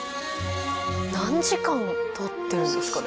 何時間撮ってるんですかね。